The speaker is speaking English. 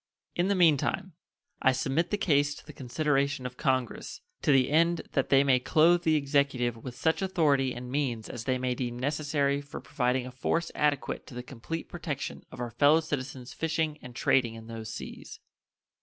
In the mean time, I submit the case to the consideration of Congress, to the end that they may clothe the Executive with such authority and means as they may deem necessary for providing a force adequate to the complete protection of our fellow citizens fishing and trading in those seas.